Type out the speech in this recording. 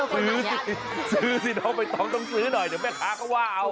ซื้อสิซื้อสิน้องใบตองต้องซื้อหน่อยเดี๋ยวแม่ค้าก็ว่าเอา